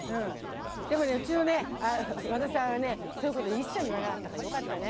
でもねうちのね和田さんはねそういうこといっさい言わなかったからよかったね。